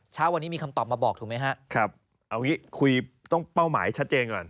ชาววันนี้มีคำตอบมาบอกถูกมั้ยฮะ